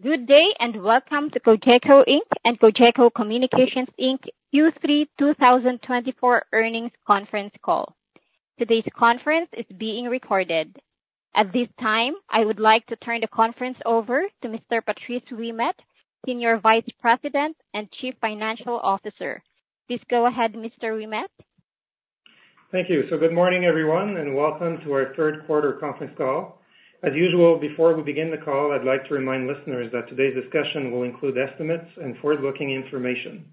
Good day, and welcome to Cogeco Inc. and Cogeco Communications Inc. Q3 2024 Earnings Conference Call. Today's conference is being recorded. At this time, I would like to turn the conference over to Mr. Patrice Ouimet, Senior Vice President and Chief Financial Officer. Please go ahead, Mr. Ouimet. Thank you. Good morning, everyone, and welcome to our third quarter conference call. As usual, before we begin the call, I'd like to remind listeners that today's discussion will include estimates and forward-looking information.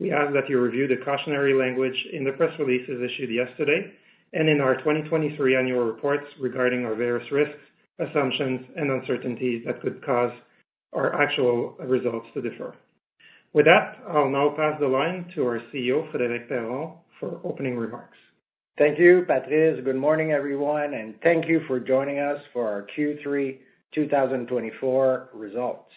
We ask that you review the cautionary language in the press releases issued yesterday and in our 2023 annual reports regarding our various risks, assumptions, and uncertainties that could cause our actual results to differ. With that, I'll now pass the line to our CEO, Frédéric Perron, for opening remarks. Thank you, Patrice. Good morning, everyone, and thank you for joining us for our Q3 2024 results.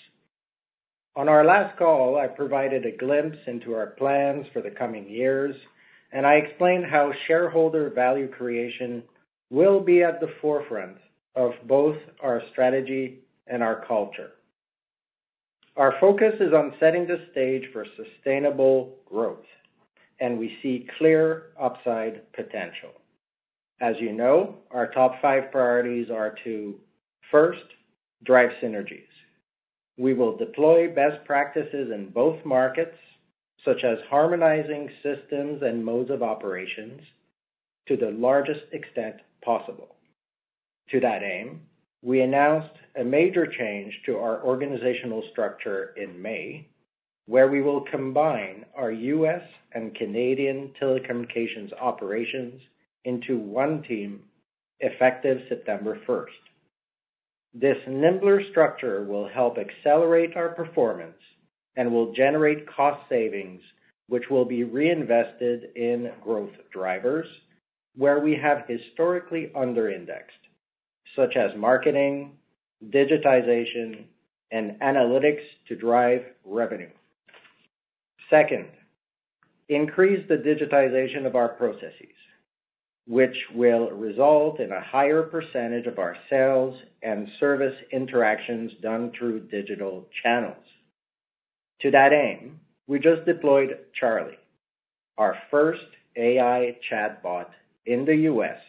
On our last call, I provided a glimpse into our plans for the coming years, and I explained how shareholder value creation will be at the forefront of both our strategy and our culture. Our focus is on setting the stage for sustainable growth, and we see clear upside potential. As you know, our top five priorities are to, first, drive synergies. We will deploy best practices in both markets, such as harmonizing systems and modes of operations, to the largest extent possible. To that aim, we announced a major change to our organizational structure in May, where we will combine our U.S. and Canadian telecommunications operations into one team, effective September first. This nimbler structure will help accelerate our performance and will generate cost savings, which will be reinvested in growth drivers, where we have historically under-indexed, such as marketing, digitization, and analytics to drive revenue. Second, increase the digitization of our processes, which will result in a higher percentage of our sales and service interactions done through digital channels. To that aim, we just deployed Charlie, our first AI chatbot in the U.S.,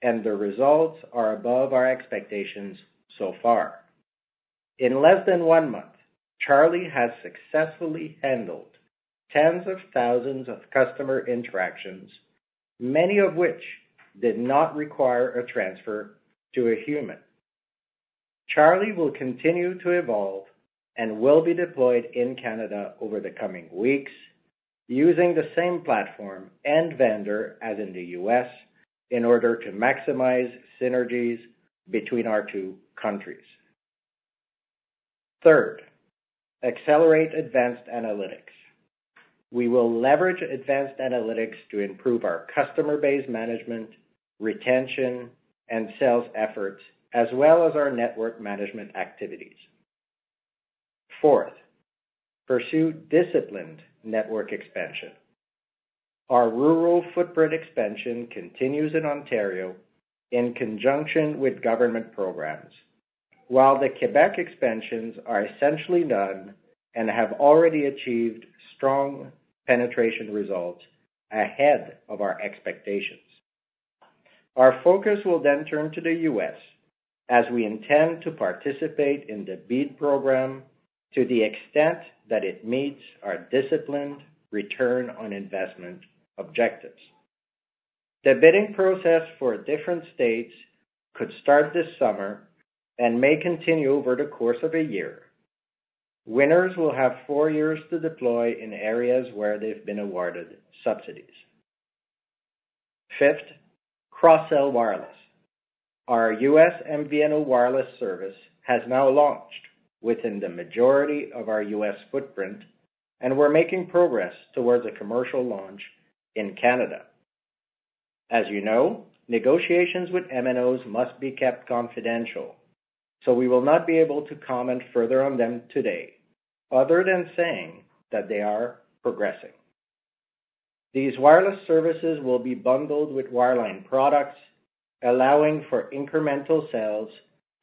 and the results are above our expectations so far. In less than one month, Charlie has successfully handled tens of thousands of customer interactions, many of which did not require a transfer to a human. Charlie will continue to evolve and will be deployed in Canada over the coming weeks, using the same platform and vendor as in the U.S., in order to maximize synergies between our two countries. Third, accelerate advanced analytics. We will leverage advanced analytics to improve our customer base management, retention, and sales efforts, as well as our network management activities. Fourth, pursue disciplined network expansion. Our rural footprint expansion continues in Ontario in conjunction with government programs, while the Quebec expansions are essentially done and have already achieved strong penetration results ahead of our expectations. Our focus will then turn to the U.S., as we intend to participate in the BEAD program to the extent that it meets our disciplined return on investment objectives. The bidding process for different states could start this summer and may continue over the course of a year. Winners will have four years to deploy in areas where they've been awarded subsidies. Fifth, cross-sell wireless. Our U.S. MVNO wireless service has now launched within the majority of our U.S. footprint, and we're making progress towards a commercial launch in Canada. As you know, negotiations with MNOs must be kept confidential, so we will not be able to comment further on them today, other than saying that they are progressing. These wireless services will be bundled with wireline products, allowing for incremental sales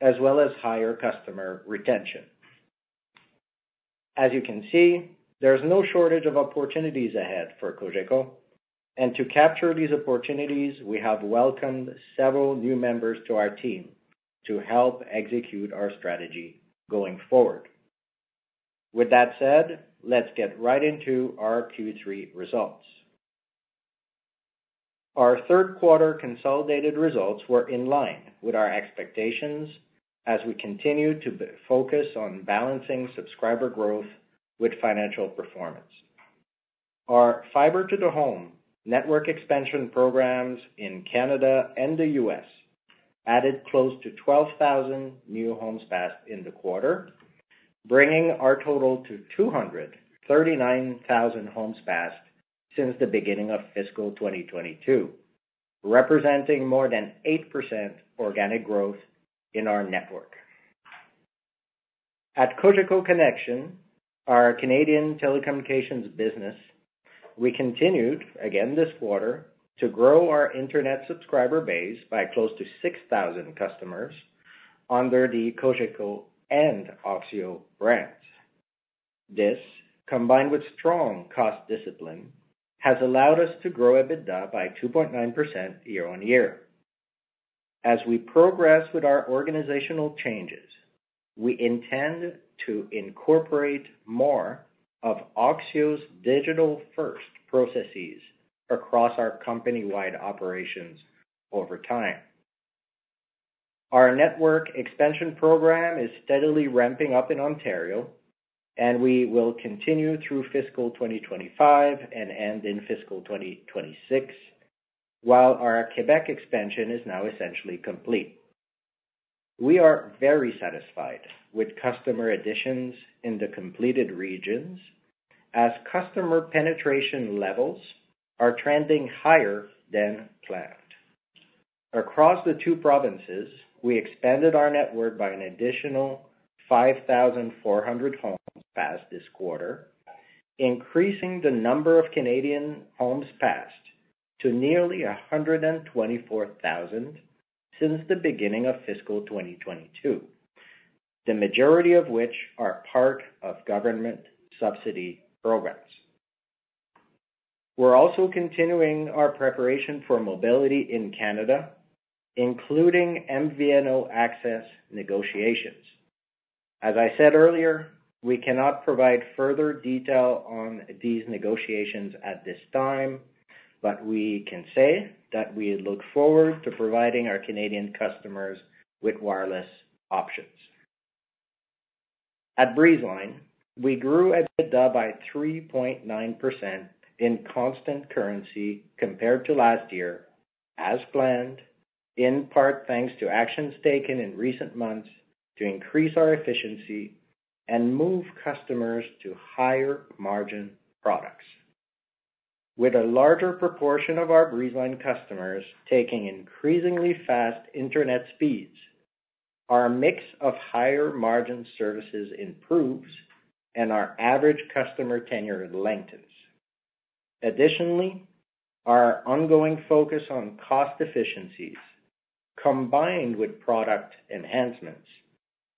as well as higher customer retention. As you can see, there's no shortage of opportunities ahead for Cogeco, and to capture these opportunities, we have welcomed several new members to our team to help execute our strategy going forward. With that said, let's get right into our Q3 results. Our third quarter consolidated results were in line with our expectations as we continued to focus on balancing subscriber growth with financial performance. Our fiber to the home network expansion programs in Canada and the U.S. added close to 12,000 new homes passed in the quarter, bringing our total to 239,000 homes passed since the beginning of fiscal 2022, representing more than 8% organic growth in our network. At Cogeco Connexion, our Canadian telecommunications business. We continued, again this quarter, to grow our internet subscriber base by close to 6,000 customers under the Cogeco and Oxio brands. This, combined with strong cost discipline, has allowed us to grow EBITDA by 2.9% year-on-year. As we progress with our organizational changes, we intend to incorporate more of Oxio's digital-first processes across our company-wide operations over time. Our network expansion program is steadily ramping up in Ontario, and we will continue through fiscal 2025 and end in fiscal 2026, while our Quebec expansion is now essentially complete. We are very satisfied with customer additions in the completed regions, as customer penetration levels are trending higher than planned. Across the two provinces, we expanded our network by an additional 5,400 homes passed this quarter, increasing the number of Canadian homes passed to nearly 124,000 since the beginning of fiscal 2022, the majority of which are part of government subsidy programs. We're also continuing our preparation for mobility in Canada, including MVNO access negotiations. As I said earlier, we cannot provide further detail on these negotiations at this time, but we can say that we look forward to providing our Canadian customers with wireless options. At Breezeline, we grew EBITDA by 3.9% in constant currency compared to last year as planned, in part, thanks to actions taken in recent months to increase our efficiency and move customers to higher-margin products. With a larger proportion of our Breezeline customers taking increasingly fast internet speeds, our mix of higher-margin services improves, and our average customer tenure lengthens. Additionally, our ongoing focus on cost efficiencies, combined with product enhancements,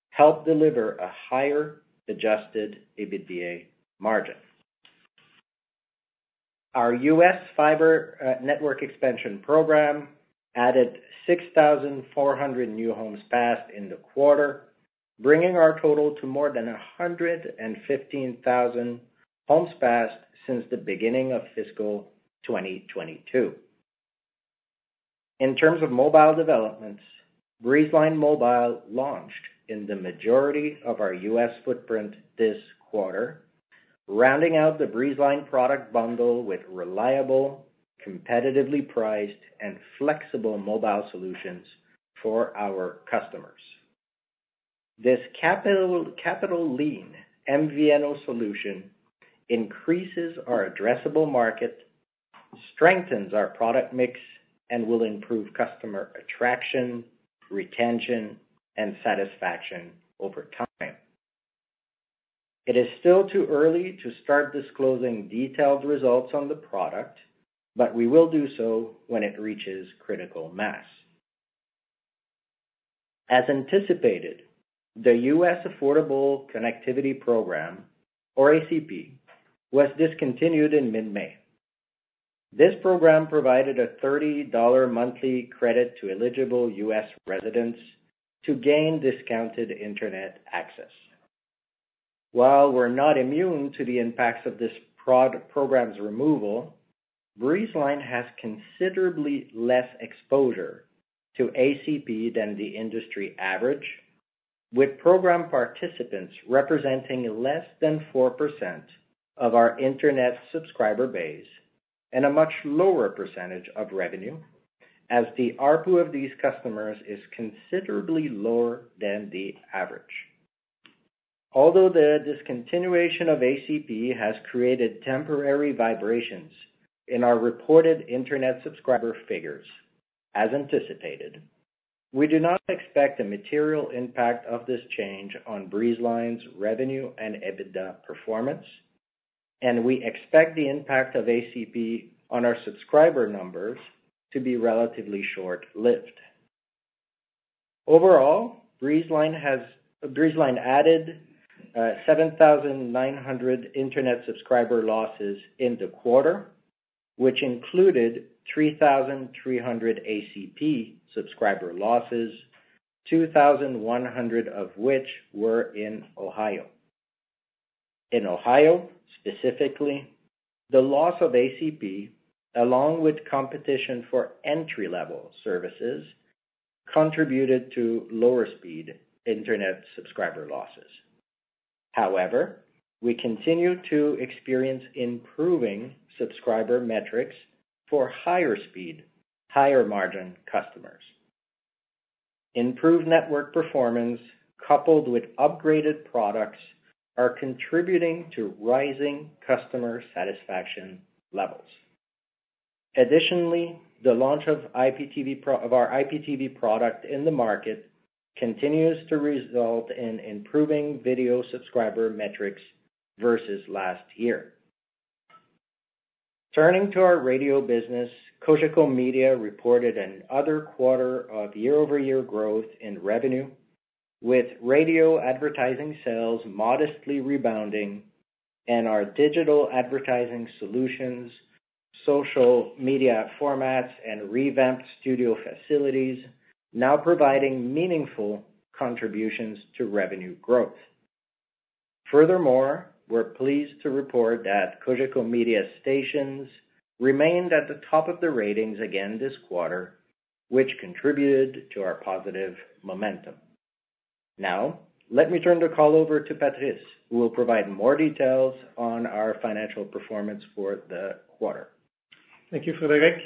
help deliver a higher adjusted EBITDA margin. Our U.S. fiber network expansion program added 6,400 new homes passed in the quarter, bringing our total to more than 115,000 homes passed since the beginning of fiscal 2022. In terms of mobile developments, Breezeline Mobile launched in the majority of our U.S. footprint this quarter, rounding out the Breezeline product bundle with reliable, competitively priced, and flexible mobile solutions for our customers. This capital lean MVNO solution increases our addressable market, strengthens our product mix, and will improve customer attraction, retention, and satisfaction over time. It is still too early to start disclosing detailed results on the product, but we will do so when it reaches critical mass. As anticipated, the U.S. Affordable Connectivity Program, or ACP, was discontinued in mid-May. This program provided a $30 monthly credit to eligible U.S. residents to gain discounted internet access. While we're not immune to the impacts of this program's removal, Breezeline has considerably less exposure to ACP than the industry average, with program participants representing less than 4% of our internet subscriber base and a much lower percentage of revenue, as the ARPU of these customers is considerably lower than the average. Although the discontinuation of ACP has created temporary vibrations in our reported internet subscriber figures, as anticipated, we do not expect a material impact of this change on Breezeline's revenue and EBITDA performance, and we expect the impact of ACP on our subscriber numbers to be relatively short-lived. Overall, Breezeline added 7,900 internet subscriber losses in the quarter, which included 3,300 ACP subscriber losses, 2,100 of which were in Ohio. In Ohio, specifically, the loss of ACP, along with competition for entry-level services, contributed to lower-speed internet subscriber losses. However, we continue to experience improving subscriber metrics for higher-speed, higher-margin customers. Improved network performance, coupled with upgraded products, are contributing to rising customer satisfaction levels.... Additionally, the launch of IPTV—of our IPTV product in the market continues to result in improving video subscriber metrics versus last year. Turning to our radio business, Cogeco Media reported another quarter of year-over-year growth in revenue, with radio advertising sales modestly rebounding and our digital advertising solutions, social media formats, and revamped studio facilities now providing meaningful contributions to revenue growth. Furthermore, we're pleased to report that Cogeco Media stations remained at the top of the ratings again this quarter, which contributed to our positive momentum. Now, let me turn the call over to Patrice, who will provide more details on our financial performance for the quarter. Thank you, Frédéric.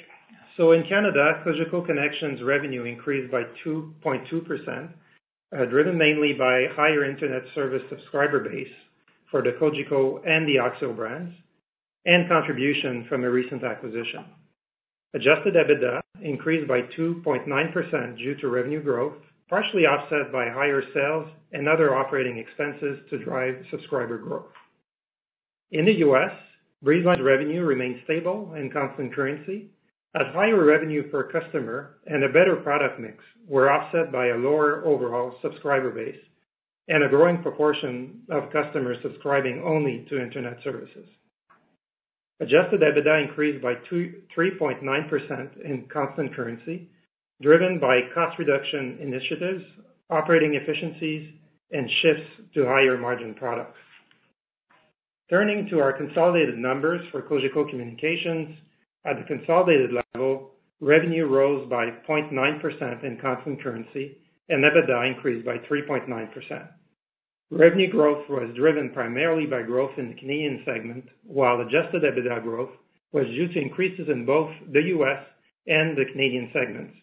So in Canada, Cogeco Connexion revenue increased by 2.2%, uh, driven mainly by higher internet service subscriber base for the Cogeco and the Oxio brands, and contribution from the recent acquisition. Adjusted EBITDA increased by 2.9% due to revenue growth, partially offset by higher sales and other operating expenses to drive subscriber growth. In the U.S., Breezeline's revenue remained stable in constant currency, as higher revenue per customer and a better product mix were offset by a lower overall subscriber base and a growing proportion of customers subscribing only to internet services. Adjusted EBITDA increased by three point nine percent in constant currency, driven by cost reduction initiatives, operating efficiencies, and shifts to higher-margin products. Turning to our consolidated numbers for Cogeco Communications. At the consolidated level, revenue rose by 0.9% in constant currency, and EBITDA increased by 3.9%. Revenue growth was driven primarily by growth in the Canadian segment, while adjusted EBITDA growth was due to increases in both the U.S. and the Canadian segments,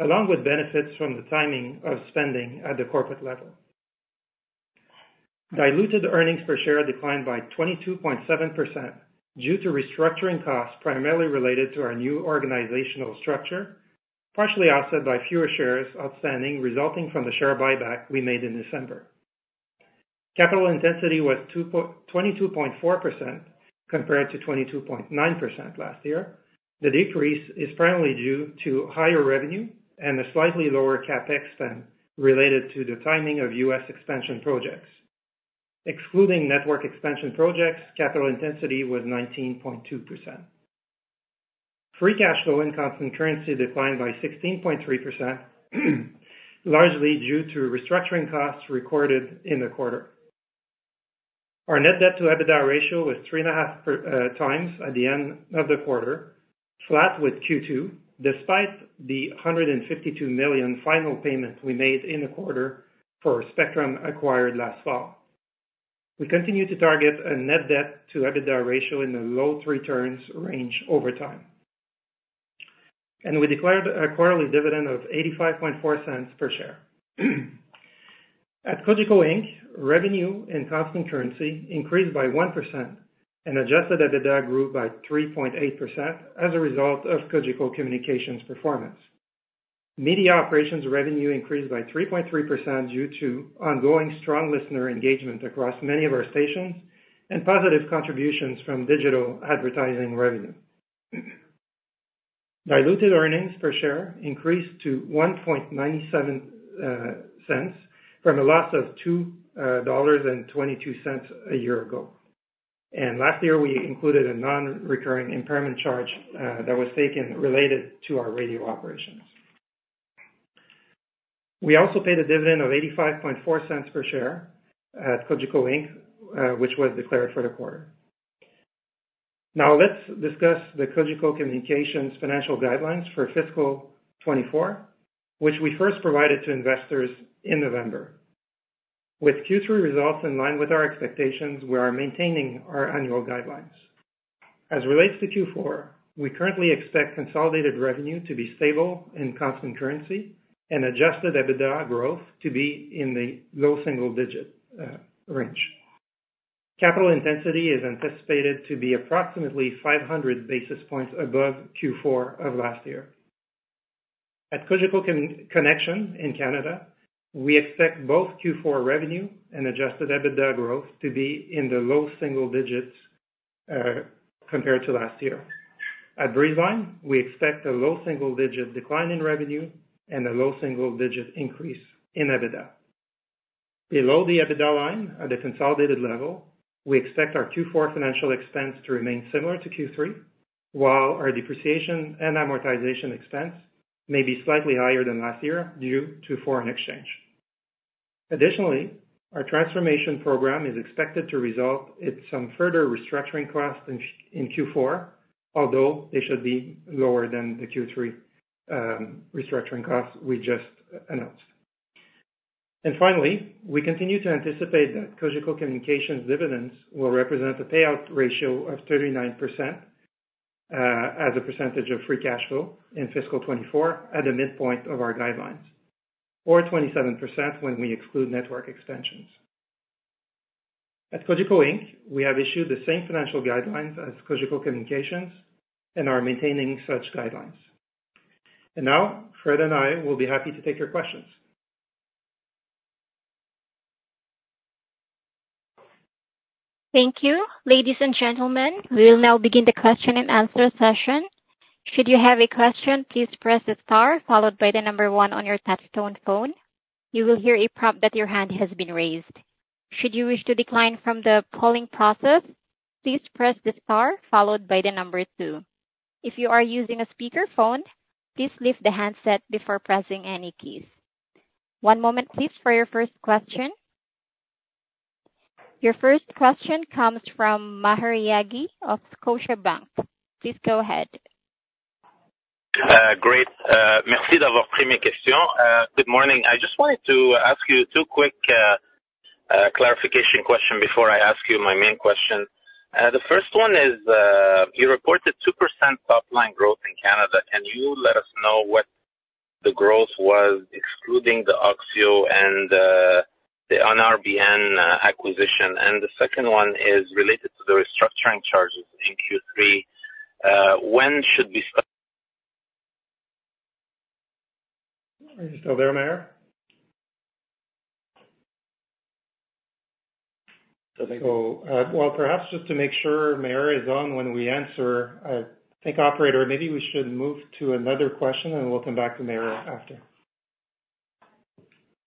along with benefits from the timing of spending at the corporate level. Diluted earnings per share declined by 22.7% due to restructuring costs, primarily related to our new organizational structure, partially offset by fewer shares outstanding, resulting from the share buyback we made in December. Capital intensity was 22.4% compared to 22.9% last year. The decrease is primarily due to higher revenue and a slightly lower CapEx spend related to the timing of U.S. expansion projects. Excluding network expansion projects, capital intensity was 19.2%. Free cash flow in constant currency declined by 16.3%, largely due to restructuring costs recorded in the quarter. Our net debt to EBITDA ratio was 3.5 times at the end of the quarter, flat with Q2, despite the 152 million final payment we made in the quarter for spectrum acquired last fall. We continue to target a net debt to EBITDA ratio in the low three turns range over time. We declared a quarterly dividend of 0.854 per share. At Cogeco Inc., revenue in constant currency increased by 1%, and adjusted EBITDA grew by 3.8% as a result of Cogeco Communications' performance. Media operations revenue increased by 3.3% due to ongoing strong listener engagement across many of our stations and positive contributions from digital advertising revenue. Diluted earnings per share increased to 0.0197 from a loss of 2.22 dollars a year ago. Last year, we included a non-recurring impairment charge that was taken related to our radio operations. We also paid a dividend of 0.854 per share at Cogeco Inc., which was declared for the quarter. Now, let's discuss the Cogeco Communications financial guidelines for fiscal 2024, which we first provided to investors in November. With Q3 results in line with our expectations, we are maintaining our annual guidelines. As relates to Q4, we currently expect consolidated revenue to be stable in constant currency and Adjusted EBITDA growth to be in the low single digit range. Capital intensity is anticipated to be approximately 500 basis points above Q4 of last year. At Cogeco Connexion in Canada, we expect both Q4 revenue and adjusted EBITDA growth to be in the low single digits, compared to last year. At Breezeline, we expect a low single-digit decline in revenue and a low single-digit increase in EBITDA. Below the EBITDA line, at the consolidated level, we expect our Q4 financial expense to remain similar to Q3, while our depreciation and amortization expense may be slightly higher than last year due to foreign exchange. Additionally, our transformation program is expected to result in some further restructuring costs in Q4, although they should be lower than the Q3 restructuring costs we just announced. And finally, we continue to anticipate that Cogeco Communications dividends will represent a payout ratio of 39%, as a percentage of free cash flow in fiscal 2024 at the midpoint of our guidelines, or 27% when we exclude network extensions. At Cogeco Inc., we have issued the same financial guidelines as Cogeco Communications and are maintaining such guidelines. And now, Fred and I will be happy to take your questions. Thank you. Ladies and gentlemen, we will now begin the question and answer session. Should you have a question, please press the star followed by the number 1 on your touchtone phone. You will hear a prompt that your hand has been raised. Should you wish to decline from the polling process, please press the star followed by the number 2. If you are using a speakerphone, please lift the handset before pressing any keys. One moment, please, for your first question. Your first question comes from Maher Yaghi of Scotiabank. Please go ahead. Great. Good morning. I just wanted to ask you two quick clarification question before I ask you my main question. The first one is, you reported 2% top line growth in Canada, can you let us know what the growth was excluding the Oxio and the NRBN acquisition? And the second one is related to the restructuring charges in Q3. When should we start- Are you still there, Maher? So, well, perhaps just to make sure Maher is on when we answer. I think, operator, maybe we should move to another question, and we'll come back to Maher after.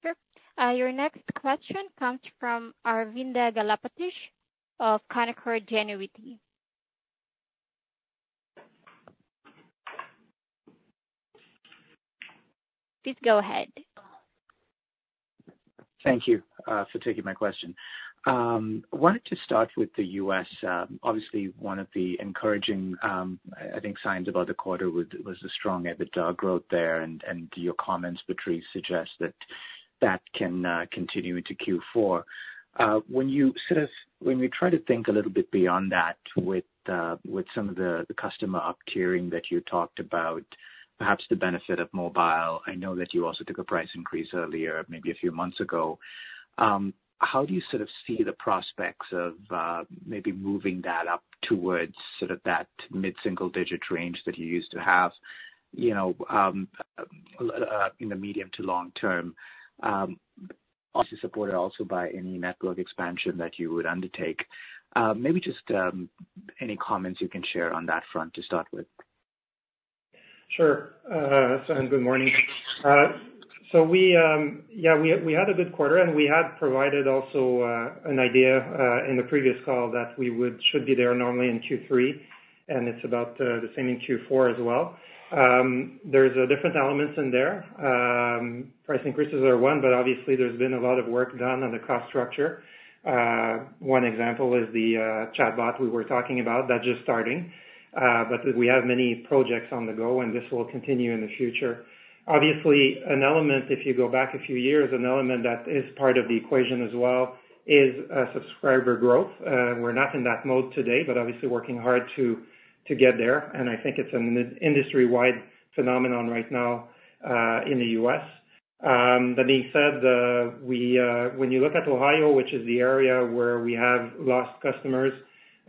Sure. Your next question comes from Aravinda Galappatthige of Canaccord Genuity. Please go ahead. Thank you for taking my question. I wanted to start with the U.S. Obviously, one of the encouraging signs about the quarter was the strong EBITDA growth there, and your comments, Patrice, suggest that that can continue into Q4. When we try to think a little bit beyond that with some of the customer up tiering that you talked about, perhaps the benefit of mobile, I know that you also took a price increase earlier, maybe a few months ago. How do you sort of see the prospects of maybe moving that up towards sort of that mid-single digit range that you used to have, you know, in the medium to long term, also supported by any network expansion that you would undertake? Maybe just any comments you can share on that front to start with. Sure. And good morning. So we, yeah, we had a good quarter, and we had provided also an idea in the previous call that we would... should be there normally in Q3, and it's about the same in Q4 as well. There's different elements in there. Price increases are one, but obviously there's been a lot of work done on the cost structure. One example is the chatbot we were talking about, that's just starting, but we have many projects on the go, and this will continue in the future. Obviously, an element, if you go back a few years, an element that is part of the equation as well is subscriber growth. We're not in that mode today, but obviously working hard to get there, and I think it's an industry-wide phenomenon right now in the U.S. That being said, when you look at Ohio, which is the area where we have lost customers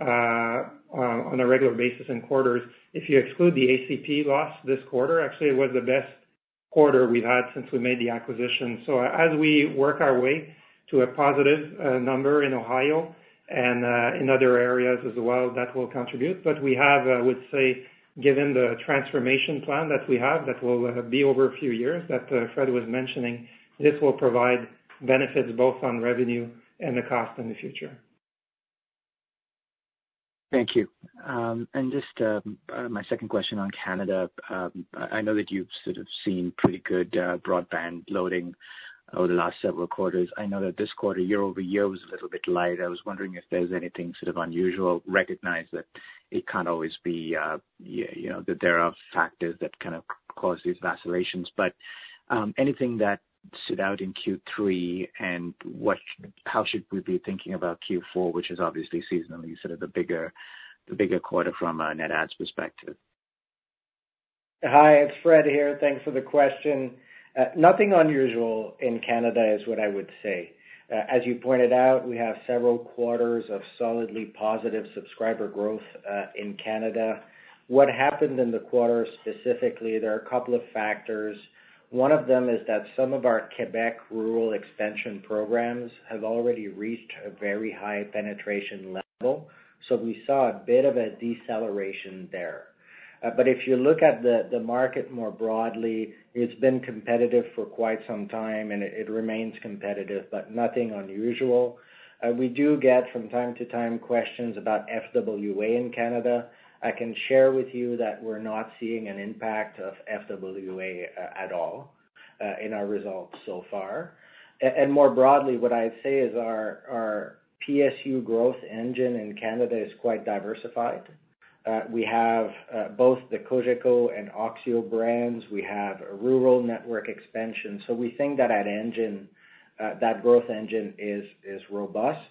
on a regular basis in quarters, if you exclude the ACP loss this quarter, actually it was the best quarter we've had since we made the acquisition. So as we work our way to a positive number in Ohio and in other areas as well, that will contribute. But we have, I would say, given the transformation plan that we have, that will be over a few years, that Fred was mentioning, this will provide benefits both on revenue and the cost in the future. Thank you. And just, my second question on Canada. I know that you've sort of seen pretty good broadband loading over the last several quarters. I know that this quarter, year-over-year, was a little bit light. I was wondering if there's anything sort of unusual, recognize that it can't always be, you know, that there are factors that kind of cause these vacillations. But, anything that stood out in Q3, and what-- how should we be thinking about Q4, which is obviously seasonally sort of the bigger, the bigger quarter from a net adds perspective? Hi, it's Fred here. Thanks for the question. Nothing unusual in Canada is what I would say. As you pointed out, we have several quarters of solidly positive subscriber growth in Canada. What happened in the quarter specifically, there are a couple of factors. One of them is that some of our Quebec rural expansion programs have already reached a very high penetration level, so we saw a bit of a deceleration there. But if you look at the market more broadly, it's been competitive for quite some time, and it remains competitive, but nothing unusual. We do get from time to time questions about FWA in Canada. I can share with you that we're not seeing an impact of FWA at all in our results so far. And more broadly, what I'd say is our PSU growth engine in Canada is quite diversified. We have both the Cogeco and Oxio brands. We have a rural network expansion. So we think that that engine, that growth engine is robust.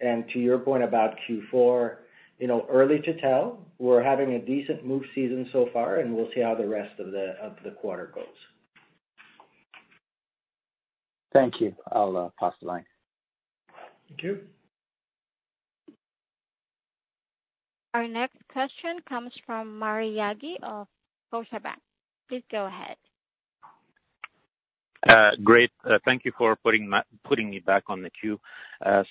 And to your point about Q4, you know, early to tell. We're having a decent move season so far, and we'll see how the rest of the quarter goes. Thank you. I'll pass the line. Thank you. Our next question comes from Maher Yaghi of Scotiabank. Please go ahead. Great. Thank you for putting me back on the queue.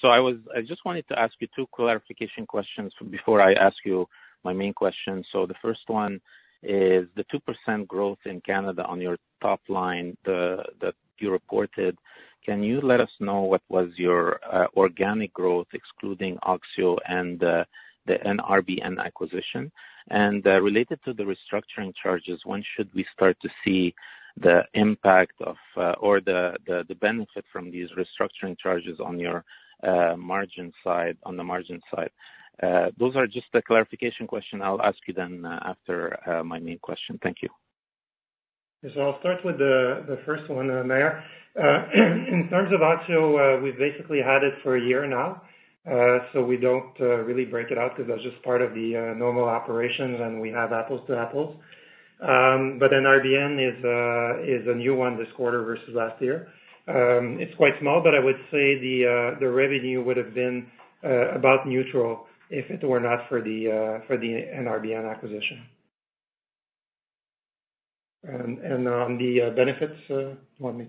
So, I just wanted to ask you two clarification questions before I ask you my main question. So the first one is the 2% growth in Canada on your top line, the that you reported, can you let us know what was your organic growth, excluding Oxio and the NRBN acquisition? And related to the restructuring charges, when should we start to see the impact of or the benefit from these restructuring charges on your margin side, on the margin side? Those are just the clarification question. I'll ask you then after my main question. Thank you. So I'll start with the first one, Maher. In terms of Oxio, we've basically had it for a year now. So we don't really break it out, because that's just part of the normal operations, and we have apples to apples. But NRBN is a new one this quarter versus last year. It's quite small, but I would say the revenue would have been about neutral if it were not for the NRBN acquisition. And on the benefits, you want me?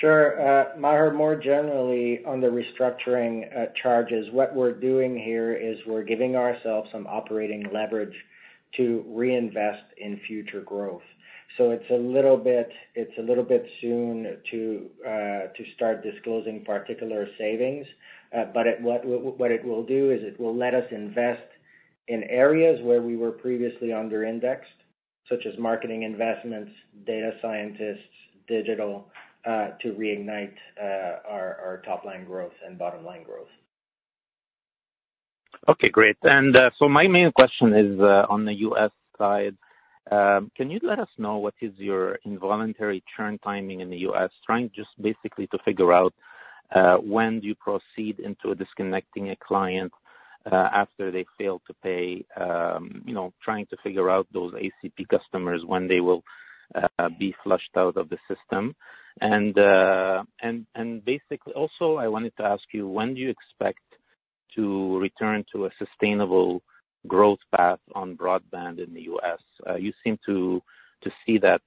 Sure. Maher, more generally, on the restructuring charges, what we're doing here is we're giving ourselves some operating leverage to reinvest in future growth. So it's a little bit, it's a little bit soon to start disclosing particular savings. But it, what it will do is it will let us invest in areas where we were previously under indexed, such as marketing investments, data scientists, digital, to reignite our, our top line growth and bottom line growth. Okay, great. And, so my main question is, on the U.S. side. Can you let us know what is your involuntary churn timing in the U.S.? Trying just basically to figure out, when do you proceed into disconnecting a client, after they fail to pay, you know, trying to figure out those ACP customers, when they will, be flushed out of the system. And, basically, also, I wanted to ask you, when do you expect to return to a sustainable growth path on broadband in the U.S.? You seem to see that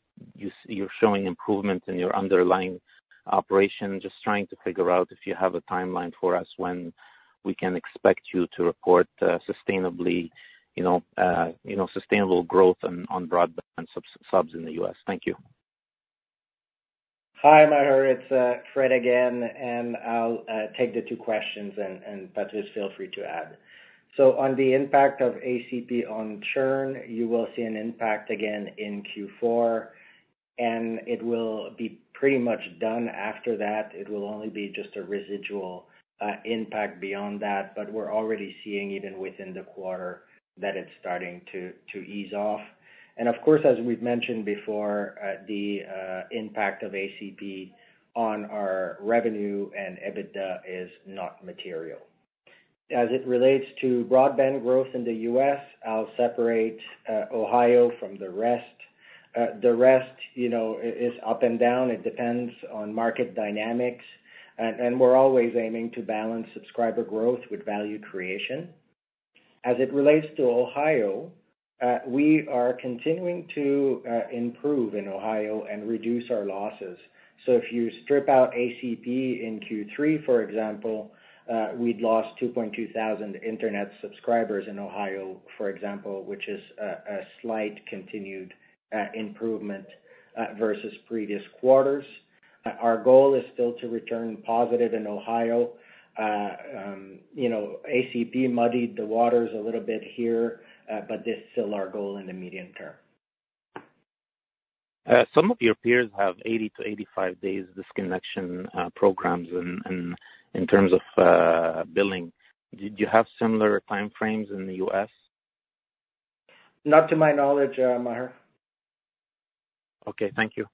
you're showing improvement in your underlying operation. Just trying to figure out if you have a timeline for us, when we can expect you to report, sustainably, you know, sustainable growth on, broadband subs in the U.S. Thank you. Hi, Maher, it's Fred again, and I'll take the two questions, and Patrice, feel free to add. So on the impact of ACP on churn, you will see an impact again in Q4, and it will be pretty much done after that. It will only be just a residual impact beyond that, but we're already seeing, even within the quarter, that it's starting to ease off. And of course, as we've mentioned before, the impact of ACP on our revenue and EBITDA is not material. As it relates to broadband growth in the U.S., I'll separate Ohio from the rest. The rest, you know, it is up and down. It depends on market dynamics. And we're always aiming to balance subscriber growth with value creation. As it relates to Ohio, we are continuing to improve in Ohio and reduce our losses. So if you strip out ACP in Q3, for example, we'd lost 2.2 thousand internet subscribers in Ohio, for example, which is a slight continued improvement versus previous quarters. Our goal is still to return positive in Ohio. You know, ACP muddied the waters a little bit here, but this is still our goal in the medium term. Some of your peers have 80 to 85 days disconnection programs in terms of billing. Do you have similar timeframes in the U.S.? Not to my knowledge, Maher. Okay, thank you.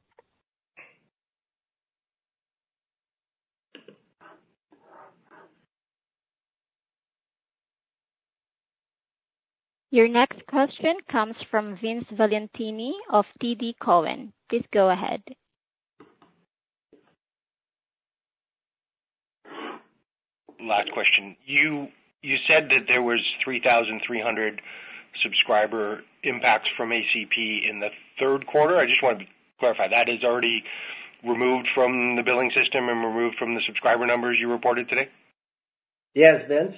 Your next question comes from Vince Valentini of TD Cowen. Please go ahead. Last question. You said that there was 3,300 subscriber impacts from ACP in the third quarter. I just wanted to clarify, that is already removed from the billing system and removed from the subscriber numbers you reported today? Yes, Vince.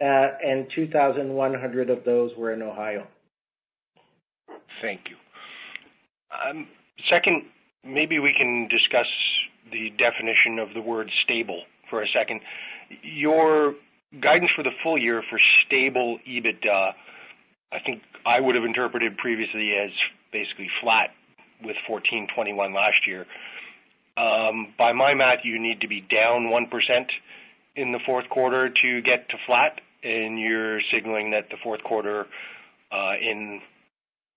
And 2,100 of those were in Ohio. Thank you. Second, maybe we can discuss the definition of the word stable for a second. Your guidance for the full year for stable EBITDA, I think I would have interpreted previously as basically flat with 1,421 last year. By my math, you need to be down 1% in the fourth quarter to get to flat, and you're signaling that the fourth quarter in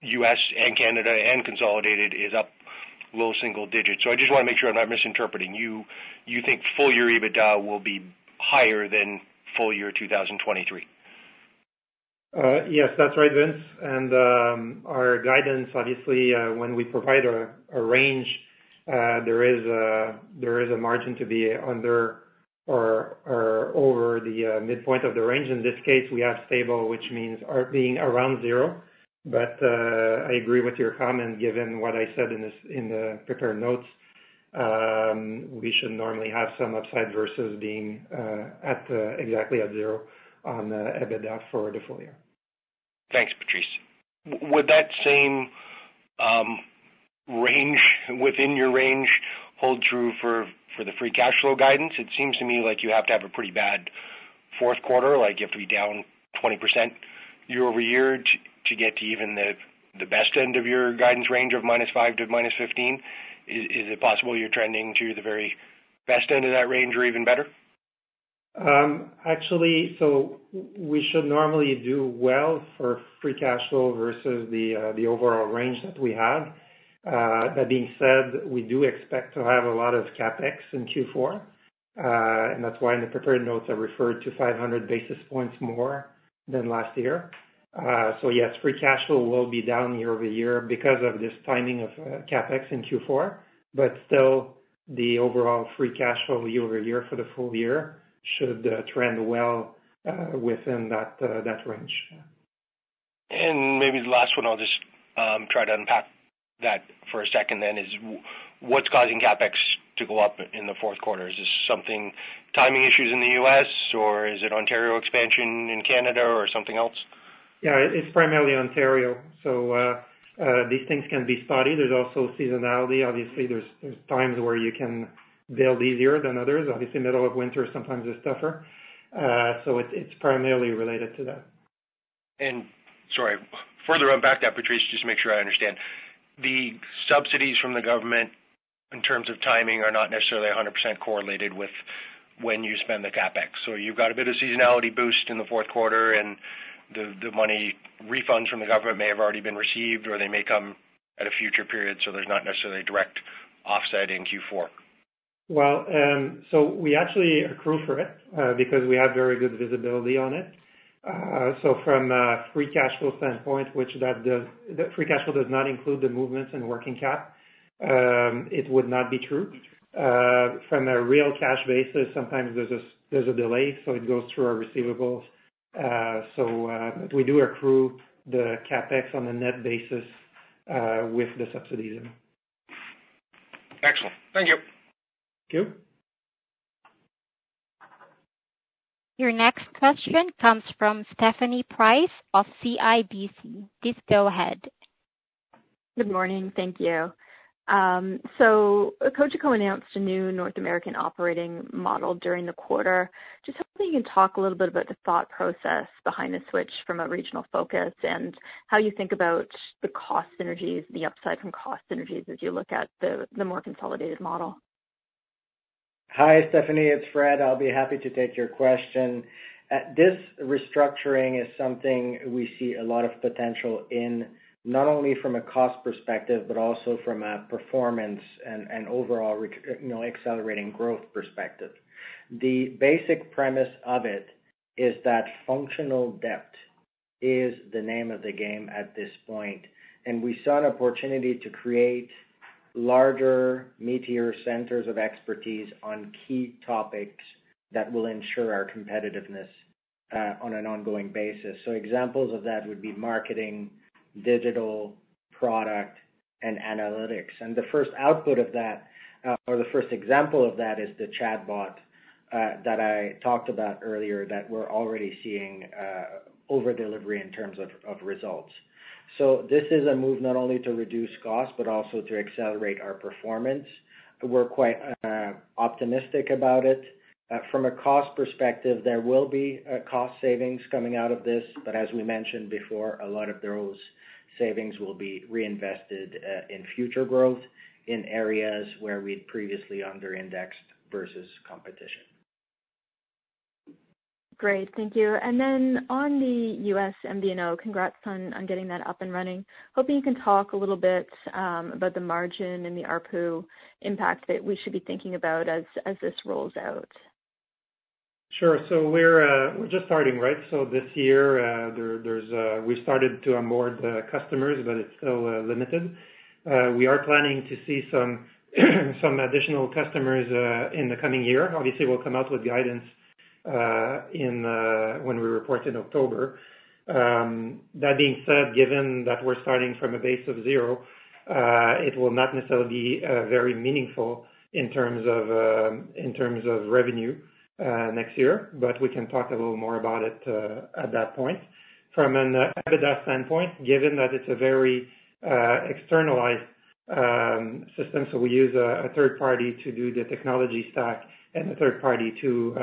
U.S. and Canada and consolidated is up low single digits. So I just wanna make sure I'm not misinterpreting. You, you think full year EBITDA will be higher than full year 2023?... Yes, that's right, Vince. And, our guidance, obviously, when we provide a range, there is a margin to be under or over the midpoint of the range. In this case, we have stable, which means are being around zero. But, I agree with your comment, given what I said in this, in the prepared notes, we should normally have some upside versus being at exactly at zero on EBITDA for the full year. Thanks, Patrice. Would that same range, within your range, hold true for the free cash flow guidance? It seems to me like you have to have a pretty bad fourth quarter, like if we're down 20% year-over-year to get to even the best end of your guidance range of -5% to -15%. Is it possible you're trending to the very best end of that range or even better? Actually, so we should normally do well for free cash flow versus the overall range that we have. That being said, we do expect to have a lot of CapEx in Q4. And that's why in the prepared notes, I referred to 500 basis points more than last year. So yes, free cash flow will be down year-over-year because of this timing of CapEx in Q4, but still, the overall free cash flow year-over-year for the full year should trend well within that range. Maybe the last one, I'll just try to unpack that for a second then, is what's causing CapEx to go up in the fourth quarter? Is this something timing issues in the U.S., or is it Ontario expansion in Canada, or something else? Yeah, it's primarily Ontario. So, these things can be studied. There's also seasonality. Obviously, there's times where you can build easier than others. Obviously, middle of winter, sometimes it's tougher. So it's primarily related to that. And sorry, further unpack that, Patrice, just to make sure I understand. The subsidies from the government, in terms of timing, are not necessarily 100% correlated with when you spend the CapEx. So you've got a bit of seasonality boost in the fourth quarter, and the money refunds from the government may have already been received, or they may come at a future period, so there's not necessarily a direct offset in Q4. Well, so we actually accrue for it, because we have very good visibility on it. So from a free cash flow standpoint, which that does—the free cash flow does not include the movements in working cap, it would not be true. From a real cash basis, sometimes there's a delay, so it goes through our receivables. So, we do accrue the CapEx on a net basis, with the subsidies in. Excellent. Thank you. Thank you. Your next question comes from Stephanie Price of CIBC. Please go ahead. Good morning. Thank you. So Cogeco announced a new North American operating model during the quarter. Just hoping you can talk a little bit about the thought process behind the switch from a regional focus, and how you think about the cost synergies, the upside from cost synergies as you look at the more consolidated model. Hi, Stephanie, it's Fred. I'll be happy to take your question. This restructuring is something we see a lot of potential in, not only from a cost perspective, but also from a performance and overall, you know, accelerating growth perspective. The basic premise of it is that functional depth is the name of the game at this point, and we saw an opportunity to create larger, meatier centers of expertise on key topics that will ensure our competitiveness on an ongoing basis. So examples of that would be marketing, digital, product, and analytics. And the first output of that, or the first example of that is the chatbot that I talked about earlier, that we're already seeing over-delivery in terms of results. So this is a move not only to reduce costs, but also to accelerate our performance. We're quite optimistic about it. From a cost perspective, there will be cost savings coming out of this, but as we mentioned before, a lot of those savings will be reinvested in future growth in areas where we'd previously under indexed versus competition. Great. Thank you. And then on the U.S. MVNO, congrats on getting that up and running. Hoping you can talk a little bit about the margin and the ARPU impact that we should be thinking about as this rolls out. Sure. So we're just starting, right? So this year, we started to onboard the customers, but it's still limited. We are planning to see some additional customers in the coming year. Obviously, we'll come out with guidance when we report in October. That being said, given that we're starting from a base of zero, it will not necessarily be very meaningful in terms of revenue next year, but we can talk a little more about it at that point. From an EBITDA standpoint, given that it's a very externalized system, so we use a third party to do the technology stack and a third party to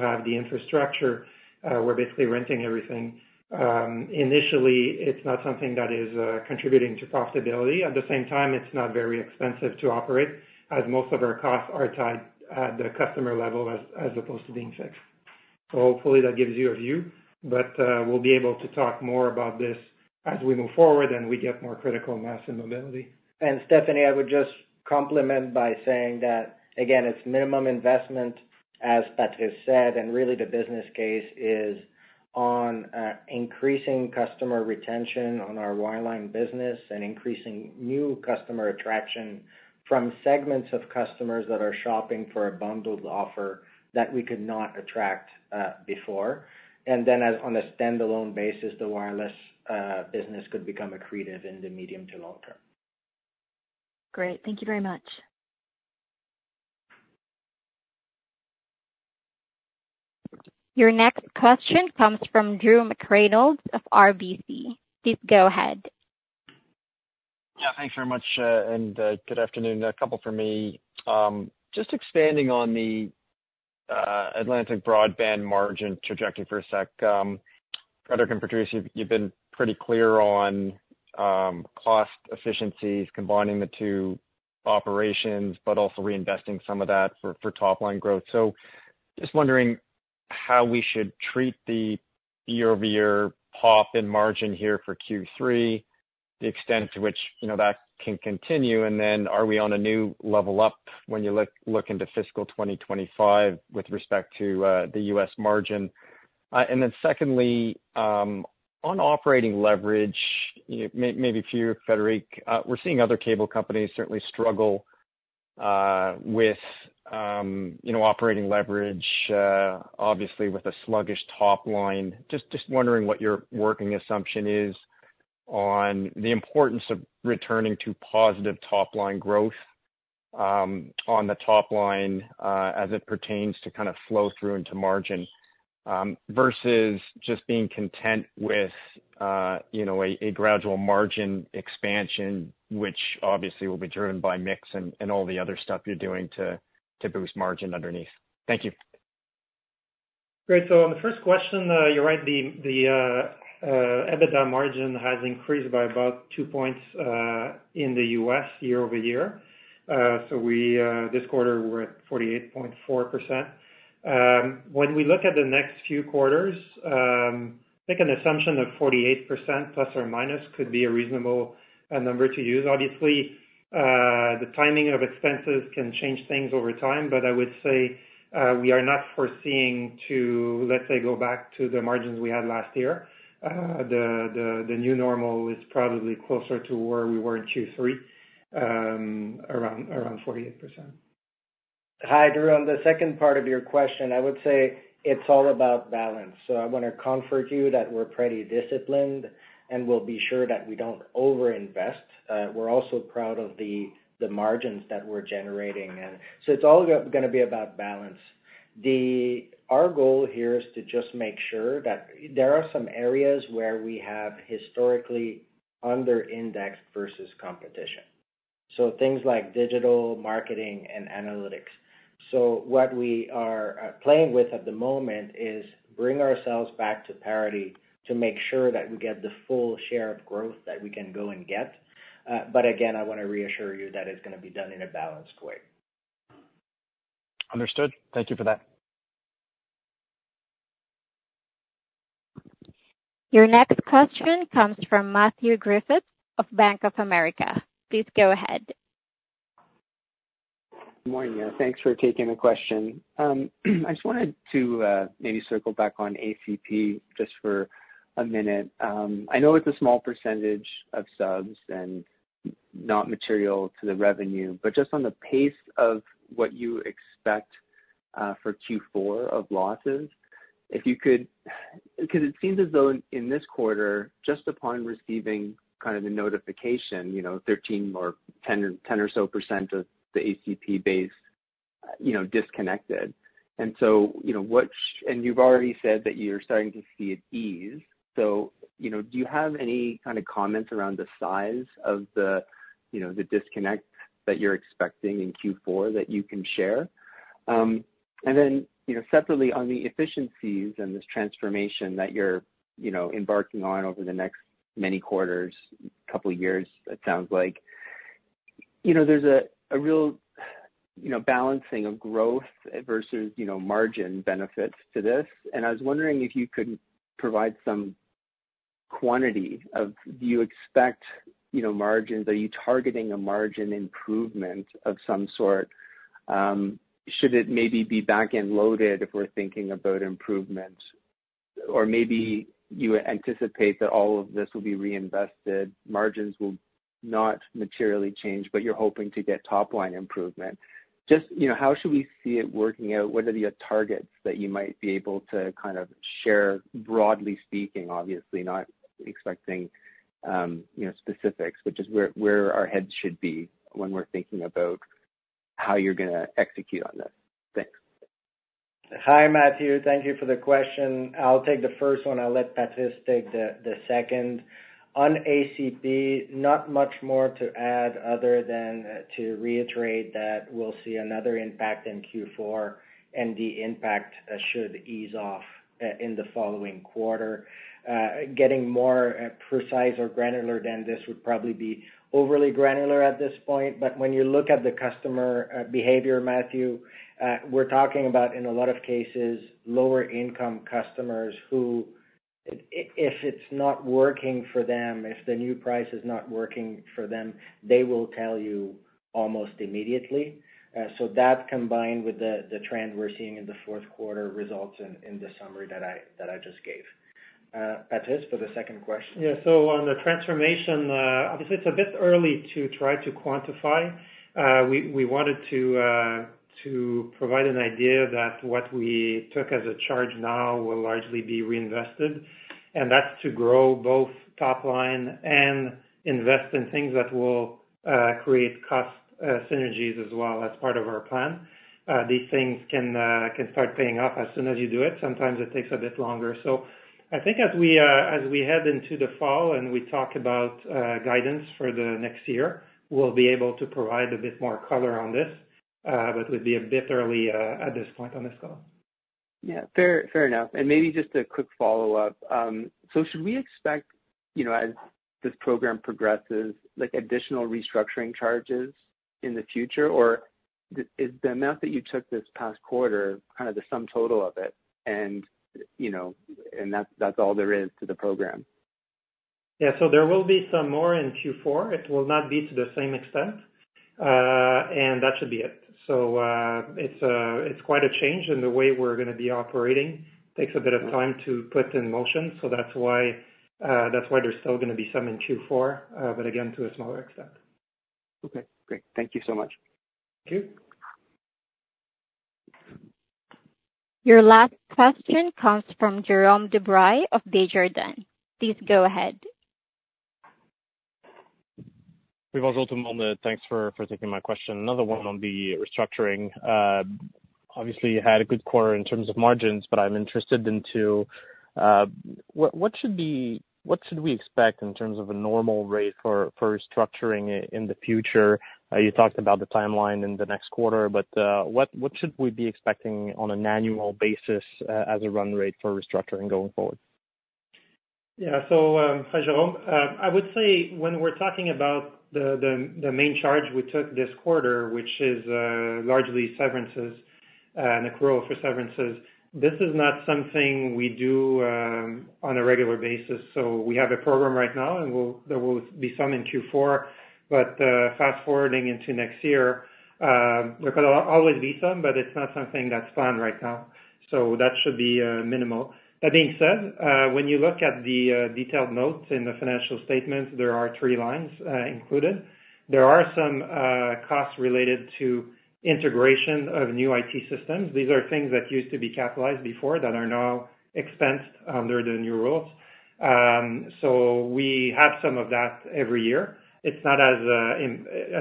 have the infrastructure, we're basically renting everything. Initially, it's not something that is contributing to profitability. At the same time, it's not very expensive to operate, as most of our costs are tied at the customer level as opposed to being fixed. So hopefully that gives you a view, but we'll be able to talk more about this as we move forward and we get more critical mass and mobility. And Stephanie, I would just complement by saying that, again, it's minimum investment, as Patrice said, and really the business case is on increasing customer retention on our wireline business and increasing new customer attraction from segments of customers that are shopping for a bundled offer that we could not attract before. And then on a standalone basis, the wireless business could become accretive in the medium to long term. Great. Thank you very much. Your next question comes from Drew McReynolds of RBC. Please go ahead. Yeah, thanks very much, and good afternoon. A couple for me. Just expanding on the Atlantic Broadband margin trajectory for a sec. Frédéric and Patrice, you've been pretty clear on cost efficiencies, combining the two operations, but also reinvesting some of that for top line growth. So just wondering how we should treat the year-over-year pop in margin here for Q3, the extent to which, you know, that can continue, and then are we on a new level up when you look into fiscal 2025 with respect to the U.S. margin? And then secondly, on operating leverage, maybe for you, Frédéric, we're seeing other cable companies certainly struggle with, you know, operating leverage, obviously with a sluggish top line. Just wondering what your working assumption is on the importance of returning to positive top line growth on the top line as it pertains to kind of flow through into margin versus just being content with you know a gradual margin expansion, which obviously will be driven by mix and all the other stuff you're doing to boost margin underneath. Thank you. Great. So on the first question, you're right, the EBITDA margin has increased by about two points in the U.S. year-over-year. So this quarter we're at 48.4%. When we look at the next few quarters, I think an assumption of 48% ± could be a reasonable number to use. Obviously, the timing of expenses can change things over time, but I would say, we are not foreseeing to, let's say, go back to the margins we had last year. The new normal is probably closer to where we were in Q3, around 48%. Hi, Drew. On the second part of your question, I would say it's all about balance. So I want to comfort you that we're pretty disciplined, and we'll be sure that we don't overinvest. We're also proud of the margins that we're generating, and so it's all gonna be about balance. Our goal here is to just make sure that there are some areas where we have historically under indexed versus competition, so things like digital marketing and analytics. So what we are playing with at the moment is bring ourselves back to parity to make sure that we get the full share of growth that we can go and get. But again, I want to reassure you that it's gonna be done in a balanced way. Understood. Thank you for that. Your next question comes from Matthew Griffiths of Bank of America. Please go ahead. Good morning. Thanks for taking the question. I just wanted to maybe circle back on ACP just for a minute. I know it's a small percentage of subs and not material to the revenue, but just on the pace of what you expect for Q4 of losses, if you could. Because it seems as though in this quarter, just upon receiving kind of the notification, you know, 13 or 10, 10 or so% of the ACP base, you know, disconnected. And so, you know, and you've already said that you're starting to see it ease. So, you know, do you have any kind of comments around the size of the, you know, the disconnect that you're expecting in Q4 that you can share? And then, you know, separately, on the efficiencies and this transformation that you're, you know, embarking on over the next many quarters, couple of years, it sounds like, you know, there's a, a real, you know, balancing of growth versus, you know, margin benefits to this. And I was wondering if you could provide some quantity of, do you expect, you know, margins? Are you targeting a margin improvement of some sort? Should it maybe be back-end loaded if we're thinking about improvement? Or maybe you anticipate that all of this will be reinvested, margins will not materially change, but you're hoping to get top line improvement. Just, you know, how should we see it working out? What are the targets that you might be able to kind of share, broadly speaking, obviously, not expecting, you know, specifics, which is where our heads should be when we're thinking about how you're gonna execute on this? Thanks. Hi, Matthew. Thank you for the question. I'll take the first one. I'll let Patrice take the second. On ACP, not much more to add other than to reiterate that we'll see another impact in Q4, and the impact should ease off in the following quarter. Getting more precise or granular than this would probably be overly granular at this point, but when you look at the customer behavior, Matthew, we're talking about, in a lot of cases, lower income customers who, if it's not working for them, if the new price is not working for them, they will tell you almost immediately. So that combined with the trend we're seeing in the fourth quarter results in the summary that I just gave. Patrice, for the second question? Yeah. So on the transformation, obviously it's a bit early to try to quantify. We wanted to provide an idea that what we took as a charge now will largely be reinvested, and that's to grow both top line and invest in things that will create cost synergies as well, as part of our plan. These things can start paying off as soon as you do it. Sometimes it takes a bit longer. So I think as we head into the fall and we talk about guidance for the next year, we'll be able to provide a bit more color on this, but it would be a bit early at this point on this call. Yeah, fair, fair enough. And maybe just a quick follow-up. So should we expect, you know, as this program progresses, like, additional restructuring charges in the future? Or is the amount that you took this past quarter, kind of, the sum total of it, and, you know, and that's, that's all there is to the program? Yeah. So there will be some more in Q4. It will not be to the same extent, and that should be it. So, it's, it's quite a change in the way we're gonna be operating. Takes a bit of time to put in motion, so that's why, that's why there's still gonna be some in Q4, but again, to a smaller extent. Okay, great. Thank you so much. Thank you. Your last question comes from Jérôme Dubreuil of Desjardins. Please go ahead. Bonjour, tout le monde. Thanks for taking my question. Another one on the restructuring. Obviously, you had a good quarter in terms of margins, but I'm interested into what should be—what should we expect in terms of a normal rate for restructuring in the future? You talked about the timeline in the next quarter, but what should we be expecting on an annual basis, as a run rate for restructuring going forward? Yeah. So, hi, Jérôme. I would say when we're talking about the main charge we took this quarter, which is largely severances and accrual for severances, this is not something we do on a regular basis. So we have a program right now, and there will be some in Q4, but fast-forwarding into next year, there could always be some, but it's not something that's planned right now. So that should be minimal. That being said, when you look at the detailed notes in the financial statements, there are three lines included. There are some costs related to integration of new IT systems. These are things that used to be capitalized before, that are now expensed under the new rules. So we have some of that every year. It's not as,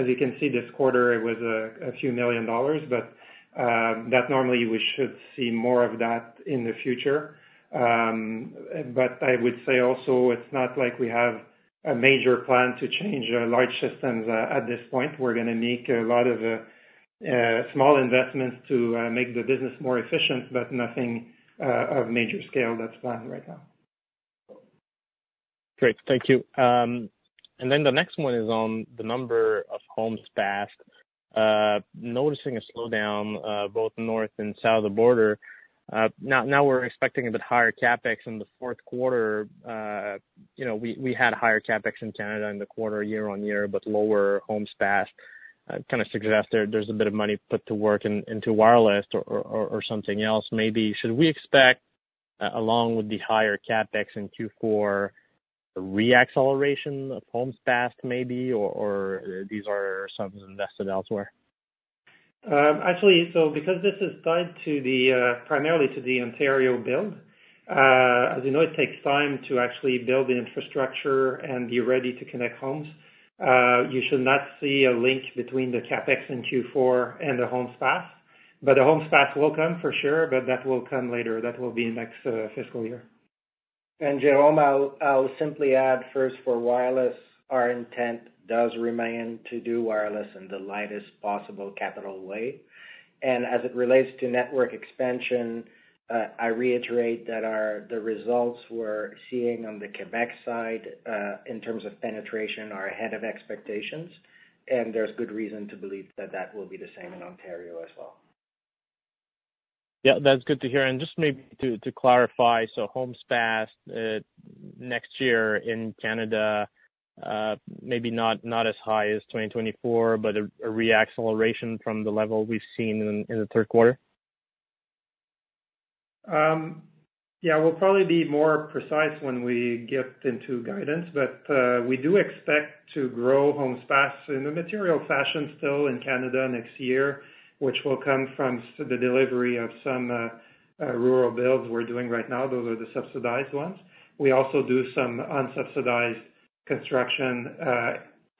as you can see, this quarter it was a few million CAD, but that normally we should see more of that in the future. But I would say also, it's not like we have a major plan to change our large systems at this point. We're gonna make a lot of small investments to make the business more efficient, but nothing of major scale that's planned right now. Great. Thank you. And then the next one is on the number of homes passed. Noticing a slowdown, both north and south of the border. Now, now we're expecting a bit higher CapEx in the fourth quarter. You know, we, we had higher CapEx in Canada in the quarter, year-over-year, but lower homes passed. Kind of, suggests there's a bit of money put to work into wireless or, or something else maybe. Should we expect, along with the higher CapEx in Q4, a re-acceleration of homes passed maybe, or these are sums invested elsewhere? Actually, so because this is tied primarily to the Ontario build, as you know, it takes time to actually build the infrastructure and be ready to connect homes. You should not see a link between the CapEx in Q4 and the homes passed, but the homes passed will come for sure, but that will come later. That will be next fiscal year. And Jérôme, I'll simply add first for wireless, our intent does remain to do wireless in the lightest possible capital way. And as it relates to network expansion, I reiterate that our the results we're seeing on the Quebec side, in terms of penetration, are ahead of expectations, and there's good reason to believe that that will be the same in Ontario as well. Yeah, that's good to hear. And just maybe to clarify, so homes passed next year in Canada, maybe not as high as 2024, but a re-acceleration from the level we've seen in the third quarter? Yeah, we'll probably be more precise when we get into guidance, but we do expect to grow homes passed in a material fashion still in Canada next year, which will come from the delivery of some rural builds we're doing right now. Those are the subsidized ones. We also do some unsubsidized construction,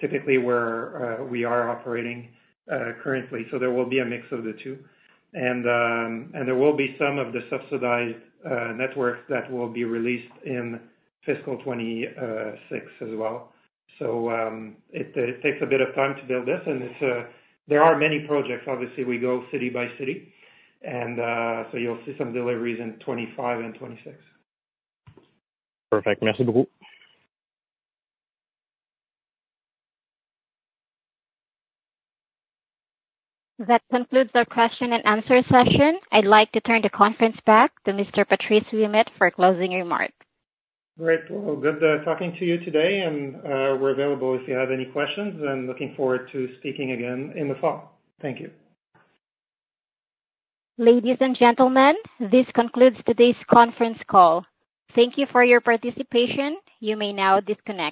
typically where we are operating currently, so there will be a mix of the two. And, and there will be some of the subsidized networks that will be released in fiscal 2026 as well. So, it takes a bit of time to build this, and it's there are many projects. Obviously, we go city by city, and so you'll see some deliveries in 2025 and 2026. Perfect. Merci beaucoup. That concludes our question and answer session. I'd like to turn the conference back to Mr. Patrice Ouimet for closing remarks. Great. Well, good talking to you today, and we're available if you have any questions, and looking forward to speaking again in the fall. Thank you. Ladies and gentlemen, this concludes today's conference call. Thank you for your participation. You may now disconnect.